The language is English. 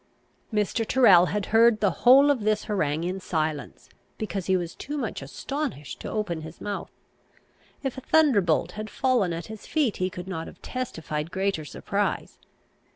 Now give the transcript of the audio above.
Mr. Tyrrel had heard the whole of this harangue in silence, because he was too much astonished to open his mouth. If a thunderbolt had fallen at his feet, he could not have testified greater surprise.